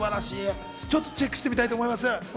チェックしてみたいと思います。